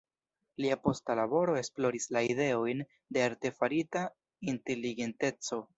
Lia posta laboro esploris la ideojn de artefarita inteligenteco.